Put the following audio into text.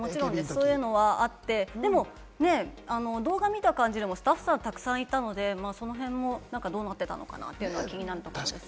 そういうのがあって、動画見た感じもスタッフさんがたくさんいたのでその辺もどうなってたのかなって気になるところです。